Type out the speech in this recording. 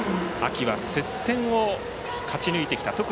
秋は接戦を勝ち抜いてきた。